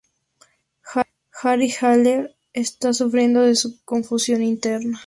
Harry Haller está sufriendo de su confusión interna.